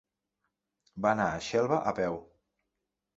Va anar a Xelva a peu.